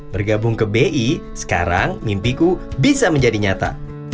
bergabung ke bi sekarang mimpiku bisa menjadi nyata